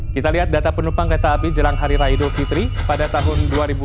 kita lihat data penumpang kereta api jelang hari raya idul fitri pada tahun dua ribu dua puluh